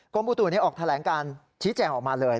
อุตุนี้ออกแถลงการชี้แจงออกมาเลย